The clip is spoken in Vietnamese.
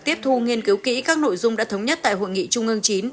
tiếp thu nghiên cứu kỹ các nội dung đã thống nhất tại hội nghị trung ương chín